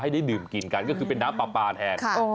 ให้ได้ดื่มกลิ่นกันก็คือเป็นน้ำปลาแทน